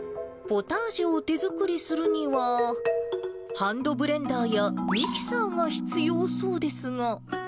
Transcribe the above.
ポタージュを手作りするには、ハンドブレンダーやミキサーが必要そうですが。